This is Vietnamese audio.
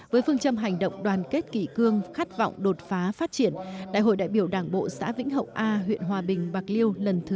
với phương châm hành động đoàn kết kỷ cương khát vọng đột phá phát triển đại hội đại biểu đảng bộ xã vĩnh hậu a huyện hòa bình bạc liêu lần thứ một mươi hai